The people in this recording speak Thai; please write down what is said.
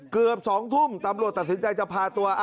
เกือบ๒ทุ่มตำรวจตัดสินใจจะพาตัว